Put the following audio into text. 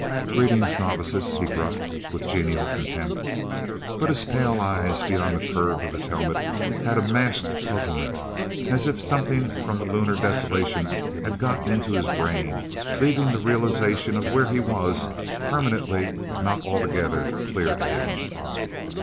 "Greetings, Novices!" he gruffed with genial contempt. But his pale eyes, beyond the curve of his helmet, had a masked puzzlement, as if something from the lunar desolation had gotten into his brain, leaving the realization of where he was, permanently not altogether clear to him.